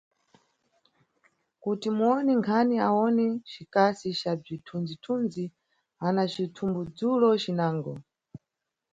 Kuti muwoni nkhani awone Cikasi ca bzithunzi-thunzi ana cithumbudzulo cinango.